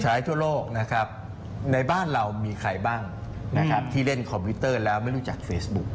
ทั่วโลกนะครับในบ้านเรามีใครบ้างนะครับที่เล่นคอมพิวเตอร์แล้วไม่รู้จักเฟซบุ๊ค